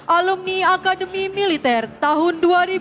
alumni akademi militer tahun dua ribu dua